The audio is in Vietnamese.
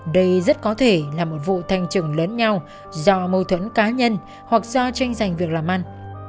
đây rất có thể là một vụ thanh trừng lớn nhau do mâu thuẫn cá nhân hoặc do tranh giành việc làm ăn